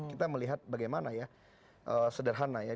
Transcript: kita melihat bagaimana ya sederhana ya